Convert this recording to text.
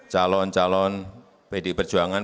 calon calon pdi perjuangan